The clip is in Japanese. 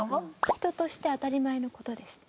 人として当たり前の事です。